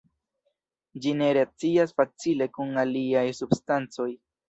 Ĝi ne reakcias facile kun aliaj substancoj.